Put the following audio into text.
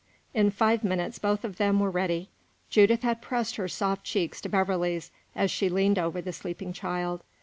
In five minutes both of them were ready. Judith had pressed her soft cheeks to Beverley's as she leaned over the sleeping child.